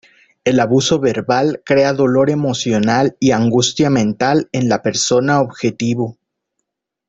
El abuso verbal crea dolor emocional y angustia mental en la persona objetivo.